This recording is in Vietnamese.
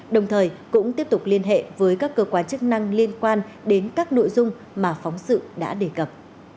đồng thời cũng tiếp tục liên hệ với các cơ quan chức năng liên quan đến các nội dung mà phóng sự đã đề cập